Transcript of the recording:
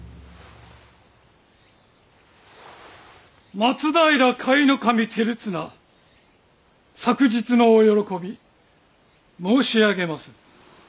松平甲斐守輝綱朔日のお喜び申し上げまする。